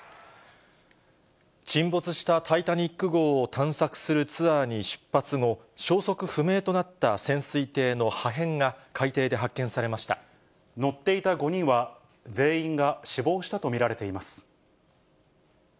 沈没したタイタニック号を探索するツアーに出発後、消息不明となった潜水艇の破片が、海底で乗っていた５人は全員が死亡したと見られています。